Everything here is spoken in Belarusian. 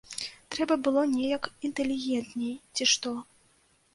Трэба было неяк інтэлігентней, ці што.